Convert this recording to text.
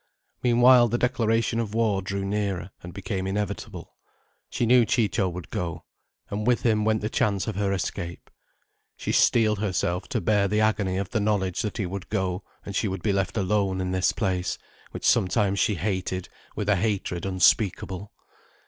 Meanwhile the declaration of war drew nearer, and became inevitable. She knew Ciccio would go. And with him went the chance of her escape. She steeled herself to bear the agony of the knowledge that he would go, and she would be left alone in this place, which sometimes she hated with a hatred unspeakable.